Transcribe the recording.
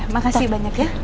makasih banyak ya